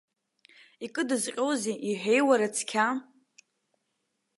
Икыдызҟьозеи, иҳәеи, уара, цқьа.